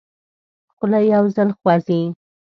خوله یو ځل خوځي.